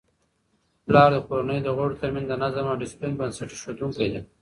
پلار د کورنی د غړو ترمنځ د نظم او ډیسپلین بنسټ ایښودونکی دی.